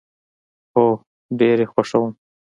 هو، ډیر یي خوښوم